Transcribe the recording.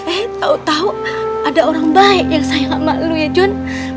eh tau tau ada orang baik yang sayang sama lo ya jon